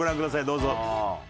どうぞ。